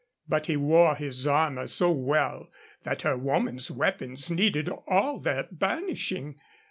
But he wore his armor so well that her woman's weapons needed all their burnishing.